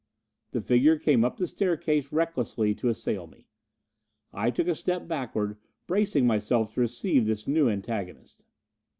The figure came up the staircase recklessly, to assail me. I took a step backward, bracing myself to receive this new antagonist.